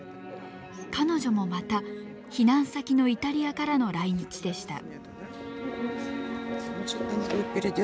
彼女もまた避難先のイタリアからの来日でした。